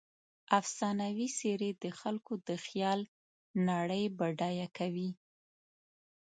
افسانوي څیرې د خلکو د خیال نړۍ بډایه کوي.